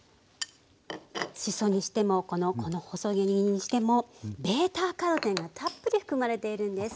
しそにしてもこの細切りにしてもβ−カロテンがたっぷり含まれているんです。